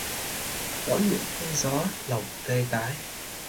Đón những cơn gió lòng tê tái